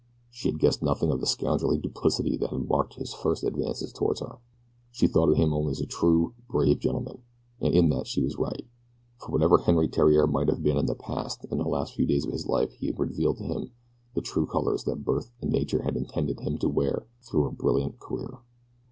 She had guessed nothing of the scoundrelly duplicity that had marked his first advances toward her. She thought of him only as a true, brave gentleman, and in that she was right, for whatever Henri Theriere might have been in the past the last few days of his life had revealed him in the true colors that birth and nature had intended him to wear through a brilliant career.